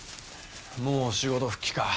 もう仕事復帰か。